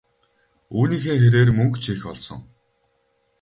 Үүнийхээ хэрээр мөнгө ч их олсон.